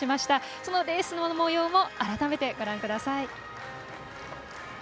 そのレースのもようを改めてご覧ください。